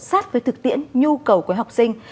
sát với thực tiễn nhu cầu của học sinh